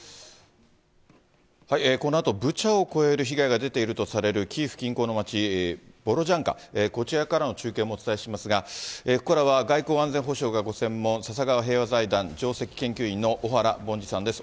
このあと、ブチャを超える被害が出ているとされるキーウ近郊の街、ボロジャンカ、こちらからの中継もお伝えしますが、ここからは外交・安全保障がご専門、笹川平和財団上席研究員の小原凡司さんです。